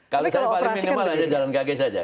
kalau saya paling minimal aja jalan kaki saja